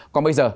còn bây giờ